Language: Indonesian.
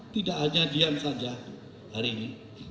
tidak hanya diam saja hari ini